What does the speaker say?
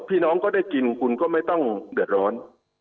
พี่น้องก็ได้กินคุณก็ไม่ต้องเดือดร้อน